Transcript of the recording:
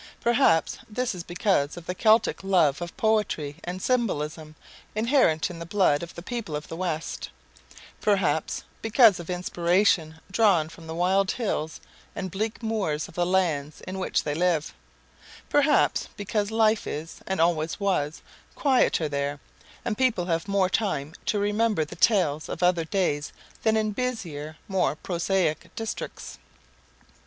Perhaps this is because of the Celtic love of poetry and symbolism inherent in the blood of the people of the West; perhaps because of inspiration drawn from the wild hills and bleak moors of the lands in which they live; perhaps because life is, and always was, quieter there, and people have more time to remember the tales of other days than in busier, more prosaic, districts.